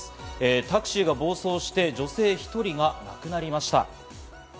タクシーが暴走して女性１人が亡くなりました。